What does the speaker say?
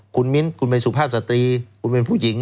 คุณมิ้นคุณเป็นสุภาพสตรีคุณเป็นผู้หญิง